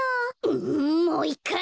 んもういっかい！